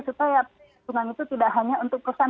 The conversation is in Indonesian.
supaya sungai itu tidak hanya untuk perusahaan